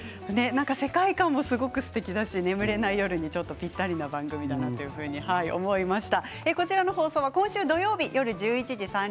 世界観もすごくすてきで眠れない夜にぴったりの番組だなというふうに思いました。